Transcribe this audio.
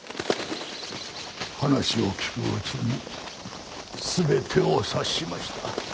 話を聞くうちに全てを察しました。